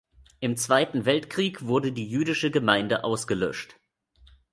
Im Zweiten Weltkrieg wurde die jüdische Gemeinde ausgelöscht.